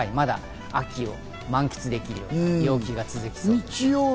まだ秋を満喫できる陽気が続きそうです。